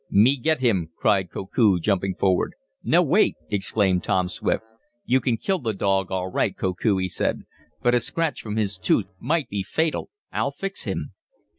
"Me git him!" cried Koku, jumping forward. "No, Wait!" exclaimed Tom Swift. "You can kill the dog all right, Koku," he said, "but a scratch from his tooth might be fatal. I'll fix him!"